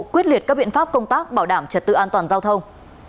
quyết liệt các biện pháp công tác bảo đảm trật tự an toàn giao thông